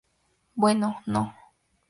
Bueno, no.